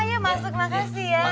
ya masuk makasih ya